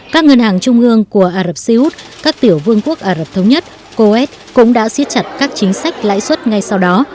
các ngân hàng trung ương của ả rập xê út các tiểu vương quốc ả rập thống nhất coes cũng đã xiết chặt các chính sách lãi suất ngay sau đó